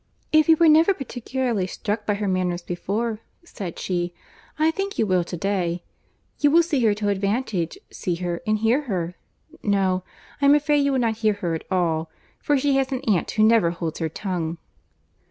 "If you were never particularly struck by her manners before," said she, "I think you will to day. You will see her to advantage; see her and hear her—no, I am afraid you will not hear her at all, for she has an aunt who never holds her tongue."